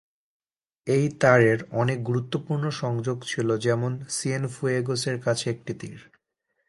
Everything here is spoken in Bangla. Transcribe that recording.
এই তারের অনেক গুরুত্বপূর্ণ সংযোগ ছিল, যেমন, সিয়েনফুয়েগোসের কাছে একটি তীর।